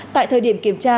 tại thời điểm kiểm tra